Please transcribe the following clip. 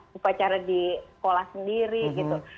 upacara di sekolah sendiri gitu